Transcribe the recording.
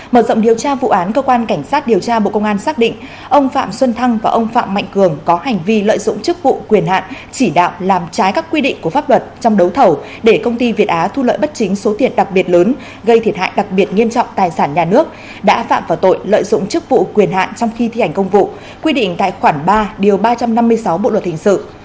mở rộng điều tra vụ án cơ quan cảnh sát điều tra bộ công an xác định ông phạm xuân thăng và ông phạm mạnh cường có hành vi lợi dụng chức vụ quyền hạn chỉ đạo làm trái các quy định của pháp luật trong đấu thầu để công ty việt á thu lợi bất chính số tiền đặc biệt lớn gây thiệt hại đặc biệt nghiêm trọng tài sản nhà nước đã phạm vào tội lợi dụng chức vụ quyền hạn trong khi thi hành công vụ quy định tại khoản ba điều ba trăm năm mươi sáu bộ luật hình sự